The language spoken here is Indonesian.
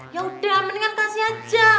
ya udah mendingan kasih aja